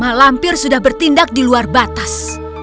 malampir sudah bertindak di luar batas